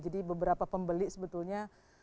jadi beberapa pembeli sebetulnya